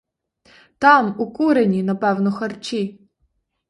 Там, у курені, напевно харчі!